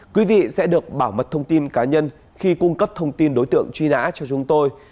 quý vị sẽ được bảo mật thông tin cá nhân khi cung cấp thông tin đối tượng truy nã cho chúng tôi